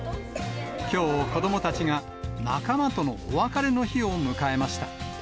きょう子どもたちが仲間とのお別れの日を迎えました。